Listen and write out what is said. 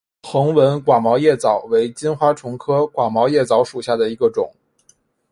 横纹寡毛叶蚤为金花虫科寡毛叶蚤属下的一个种。